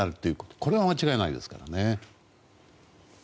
これは間違いないですからね。